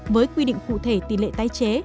với quy định cụ thể tỷ lệ tái chế